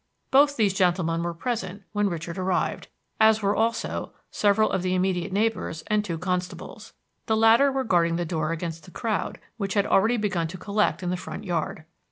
Both these gentlemen were present when Richard arrived, as were also several of the immediate neighbors and two constables. The latter were guarding the door against the crowd, which had already begun to collect in the front yard.